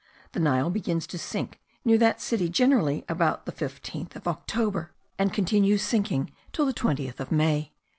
The Nile begins to sink near that city generally about the 15th of October, and continues sinking till the 20th of May.)